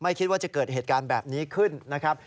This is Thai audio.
คิดว่าจะเกิดเหตุการณ์แบบนี้ขึ้นนะครับ